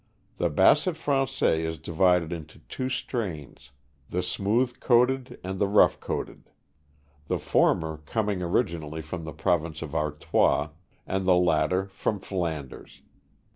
The Basset Frangais is divided into two strains, the smooth coated and the rough coated; the former coming originally from the province of Artois and the latter from Flanders.